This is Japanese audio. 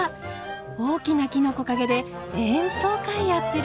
大きな木の木陰で演奏会やってる。